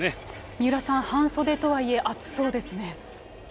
三浦さん、半袖とはいえ暑そうですね。